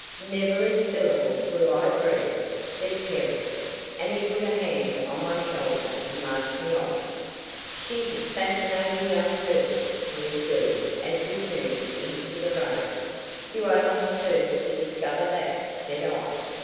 "Never a syllable will I breathe," said Terry, and he put a hand on my shoulder and marched me off. "She's a fascinating young person," he observed, as we turned into the road. "You are not the first to discover that," said I.